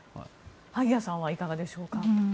萩谷さんはいかがでしょうか。